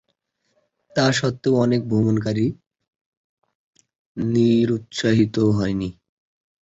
তা সত্ত্বেও, অনেক ভ্রমণকারী নিরুৎসাহিত হয়নি।